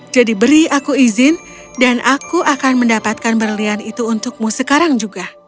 jadi beri aku izin dan aku akan mendapatkan berlian itu untukmu sekarang juga